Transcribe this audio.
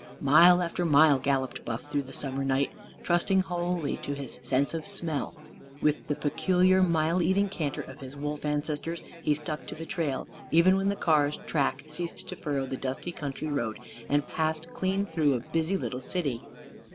Mile after mile galloped Buff through the summer night; trusting wholly to his sense of smell. With the peculiar mile eating canter of his wolf ancestors, he stuck to the trail, even when the car's track ceased to furrow the dusty country road and passed clean through a busy little city.